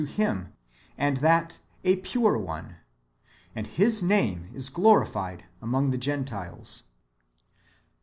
431 Him, and that a pure one ; and His name is glorified among the Gentiles.